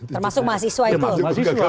termasuk mahasiswa itu